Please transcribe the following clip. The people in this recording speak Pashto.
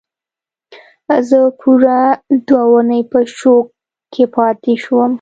زه پوره دوه اونۍ په شوک کې پاتې شوم